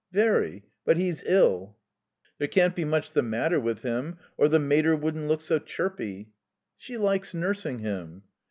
"Very. But he's ill." "There can't be much the matter with him or the mater wouldn't look so chirpy." "She likes nursing him."